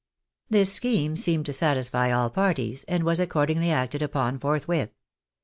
This scheme seemed to satisfy all parties, and was accordingly acted upon forthwith.